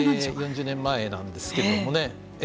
４０年前なんですけどもね